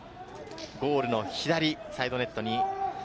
ゴールの左、サイドネットに。